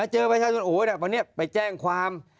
เจอประชาชนโอ้วันนี้ไปแจ้งความ